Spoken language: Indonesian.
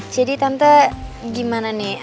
jadi tante gimana nih